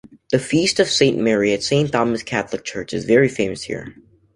The Feast of Saint Mary at Saint Thomas Catholic Church is very famous here.